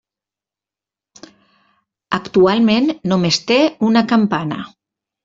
Actualment només té una campana.